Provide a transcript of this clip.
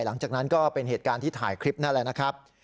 หลังจากนั้นก็เป็นเหตุการณ์ที่ถ่ายคลิปนั่นแหละนะครับ